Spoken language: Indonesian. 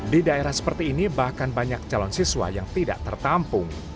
di daerah seperti ini bahkan banyak calon siswa yang tidak tertampung